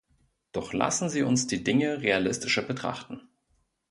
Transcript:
Doch lassen Sie uns die Dinge realistischer betrachten.